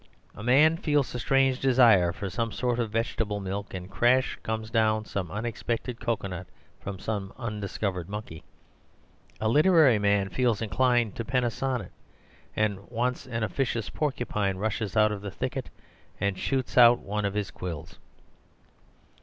A man feels a strange desire for some sort of vegetable milk, and crash comes down some unexpected cocoa nut from some undiscovered monkey. A literary man feels inclined to pen a sonnet, and at once an officious porcupine rushes out of a thicket and shoots out one of his quills."